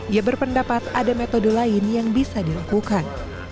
ia berpendapat ada metode lain yang bisa dilakukan